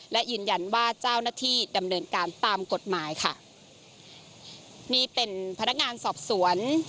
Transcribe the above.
และยืนยันว่าเจ้าหน้าที่ดำเนินการตามกฎหมายค่ะนี่เป็นพนักงานสอบสวน